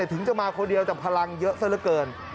ถึงจะมาคนเดียวจากพลังเยอะสักเกิน